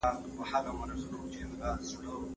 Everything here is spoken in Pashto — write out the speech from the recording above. ورک له نورو ورک له ځانه